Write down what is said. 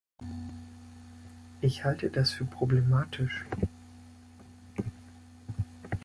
Ich halte das für problematisch.